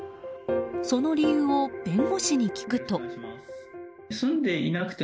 その理由を弁護士に聞くと。